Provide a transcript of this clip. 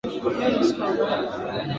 leo ni siku ambayo itakumbukwa